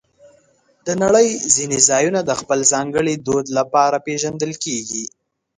د نړۍ ځینې ځایونه د خپل ځانګړي دود لپاره پېژندل کېږي.